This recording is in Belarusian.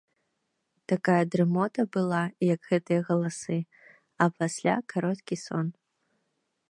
Такая дрымота была, як гэтыя галасы, а пасля кароткі сон.